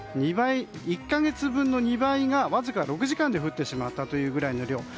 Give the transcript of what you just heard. １か月分の２倍がわずか６時間で降ってしまったという量。